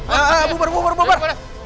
ayah bubar bubar bubar